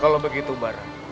kalau begitu barak